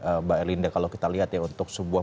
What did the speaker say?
mbak elinda kalau kita lihat ya untuk sebuah